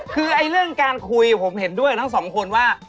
คือเรื่องการคุยผมเห็นด้วยทั้งสองคนว่า